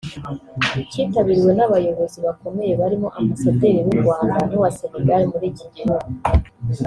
Cyitabiriwe n’abayobozi bakomeye barimo Ambasaderi w’u Rwanda n’uwa Senegal muri iki gihugu